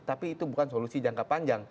tapi itu bukan solusi jangka panjang